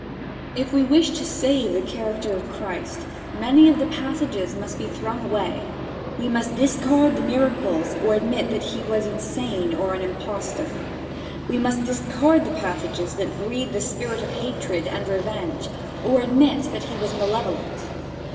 If we wish to save the character of Christ, many of the passages must be thrown away. We must discard the miracles or admit that he was insane or an impostor. We must discard the passages that breathe the spirit of hatred and revenge, or admit that he was malevolent.